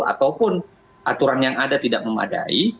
ataupun aturan yang ada tidak memadai